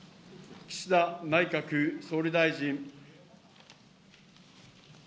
岸田内閣総理大臣。